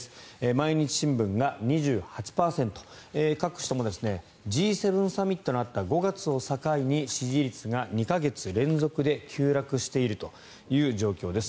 毎日新聞が２８％各紙ともＧ７サミットのあった５月を境に支持率が２か月連続で急落しているという状況です。